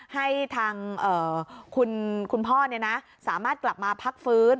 ให้ทางคุณพ่อสามารถกลับมาพักฟื้น